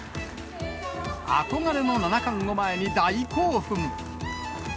憧れの七冠を前に大興奮。